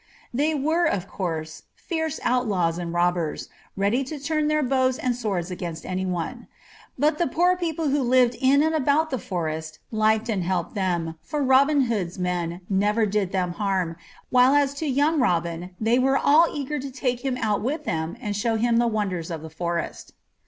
They were, of course, fierce outlaws and robbers, ready to turn their bows and swords against anyone; but the poor people who lived in and about the forest liked and helped them, for Robin Hood's men never did them harm, while as to young Robin, they were all eager to take him out with them and show him the wonders of the forest.